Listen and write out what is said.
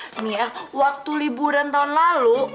ini ya waktu liburan tahun lalu